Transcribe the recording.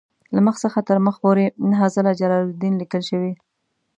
له مخ څخه تر مخ پورې نهه ځله جلالدین لیکل شوی.